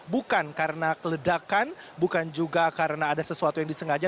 bukan karena keledakan bukan juga karena ada sesuatu yang disengaja